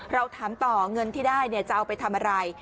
เราถามต่อเงินที่ได้จะเอาไปทำอะไร